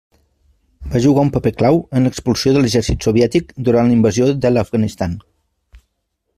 Va jugar un paper clau en l'expulsió de l'exèrcit soviètic durant la invasió de l'Afganistan.